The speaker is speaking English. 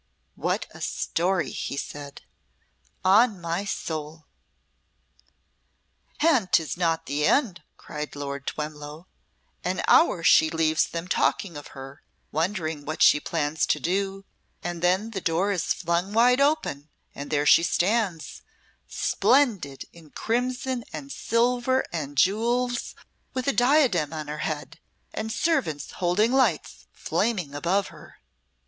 "What a story," he said. "On my soul!" "And 'tis not the end!" cried Lord Twemlow. "An hour she leaves them talking of her, wondering what she plans to do, and then the door is flung wide open and there she stands splendid in crimson and silver and jewels, with a diadem on her head, and servants holding lights flaming above her."